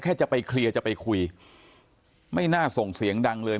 จะไปเคลียร์จะไปคุยไม่น่าส่งเสียงดังเลย